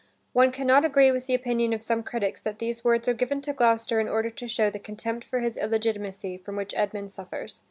One can not agree with the opinion of some critics that these words are given to Gloucester in order to show the contempt for his illegitimacy from which Edmund suffers.